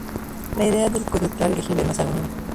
La idea del código claro y legible no es algo nuevo.